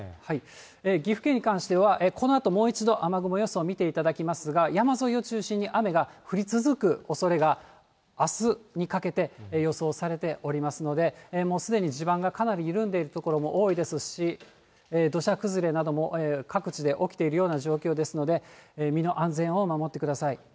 岐阜県に関してはこのあともう一度雨雲予想を見ていただきますが、山沿いを中心に雨が降り続くおそれがあすにかけて予想されておりますので、もうすでに地盤がかなり緩んでいる所も多いですし、土砂崩れなども各地で起きているような状況ですので、身の安全を守ってください。